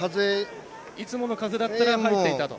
いつもの風だったら入っていたと。